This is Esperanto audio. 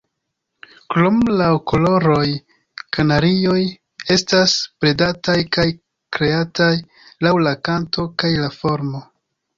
Krom laŭ koloroj, kanarioj estas bredataj kaj kreataj laŭ la kanto kaj la formo.